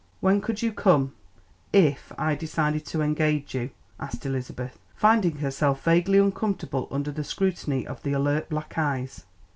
"When could you come, if I decide to engage you?" asked Elizabeth, finding herself vaguely uncomfortable under the scrutiny of the alert black eyes.